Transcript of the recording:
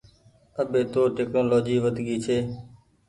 اٻي تو ٽيڪنولآجي ود گئي ڇي۔